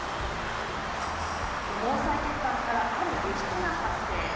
毛細血管から、ある物質が発生。